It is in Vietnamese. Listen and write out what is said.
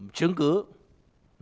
nó phải đảm bảo tính quyền